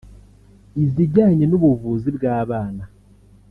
izijyanye n’ubuvuzi bw’abana